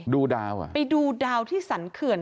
ดูดาวไปดูดาวที่สรรเขือญ